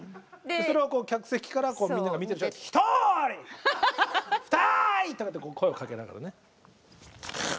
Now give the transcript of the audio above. それを客席からみんなが見て「ひとりふたり」とかって声をかけながらね。